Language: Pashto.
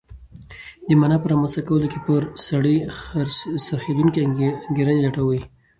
د مانا په رامنځته کولو کې پر سړي څرخېدونکې انګېرنې لټوي.